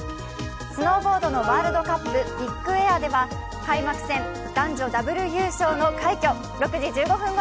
スノーボードのワールドカップビッグエアでは開幕戦、男女ダブル優勝の快挙。